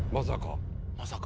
まさか。